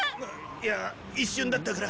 いや一瞬だったから。